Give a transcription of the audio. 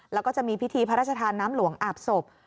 แล้วก็จะมีพิธีพระราชทานน้ำหลวงอาบศพ